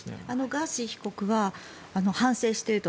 ガーシー被告は反省していると。